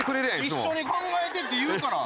一緒に考えてって言うから。